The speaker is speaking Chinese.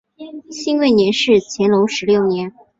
辛未年是乾隆十六年。